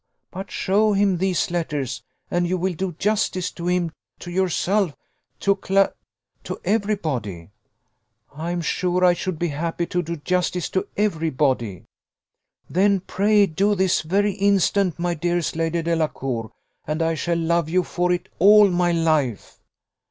but show him these letters, and you will do justice to him, to yourself, to Cla , to every body." "I am sure I should be happy to do justice to every body." "Then pray do this very instant, my dearest Lady Delacour! and I shall love you for it all my life."